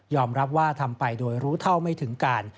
รับว่าทำไปโดยรู้เท่าไม่ถึงการ